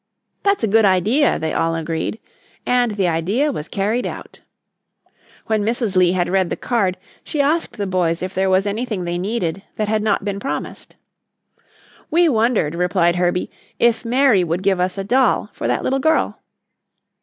"That's a good idea," they all agreed, and the idea was carried out. When Mrs. Lee had read the card she asked the boys if there was anything they needed that had not been promised. "We wondered," replied Herbie, "if Mary would give us a doll for that little girl?"